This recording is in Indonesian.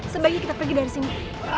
sebaiknya kita pergi dari sini